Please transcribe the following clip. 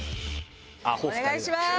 お願いします。